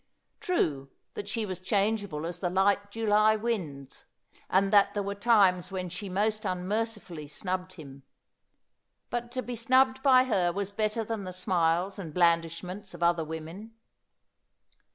True that she was changeable as the light July winds, and that there were times when she most unmercifully snubbed him. But to be snubbed by her was better than the smiles and blandishments of other women.